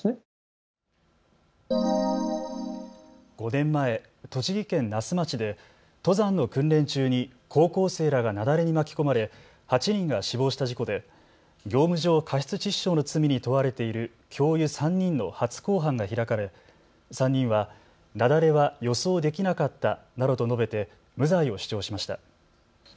５年前、栃木県那須町で登山の訓練中に高校生らが雪崩に巻き込まれ８人が死亡した事故で業務上過失致死傷の罪に問われている教諭３人の初公判が開かれ３人は雪崩は予想できなかったなどと述べて無罪を主張しました。